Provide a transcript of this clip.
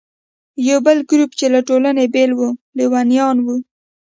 یو بل ګروپ چې له ټولنې بېل و، لیونیان وو.